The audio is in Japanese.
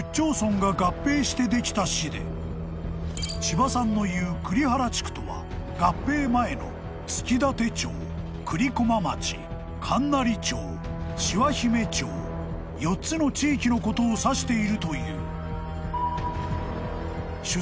［千葉さんの言う栗原地区とは合併前の築館町栗駒町金成町志波姫町４つの地域のことを指しているという］